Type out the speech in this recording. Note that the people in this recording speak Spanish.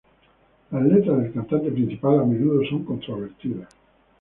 Las letras del cantante principal a menudo son controvertidas.